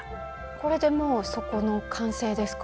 これでもう底の完成ですか？